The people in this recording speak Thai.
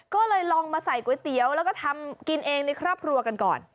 ก็เลยลองมาใส่ก๋วยเตี๋ยวแล้วก็ทำกินเองในครอบครัวกันก่อน